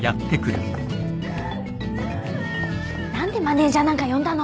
何でマネジャーなんか呼んだの。